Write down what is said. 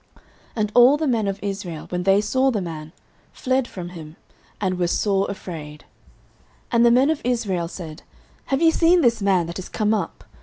09:017:024 And all the men of Israel, when they saw the man, fled from him, and were sore afraid. 09:017:025 And the men of Israel said, Have ye seen this man that is come up?